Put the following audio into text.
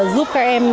giúp các em